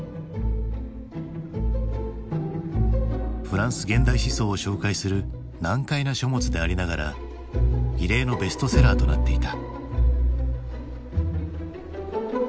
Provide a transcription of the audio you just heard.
フランス現代思想を紹介する難解な書物でありながら異例のベストセラーとなっていた。